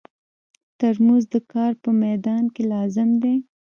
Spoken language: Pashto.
ترموز د کار په مېدان کې لازم دی.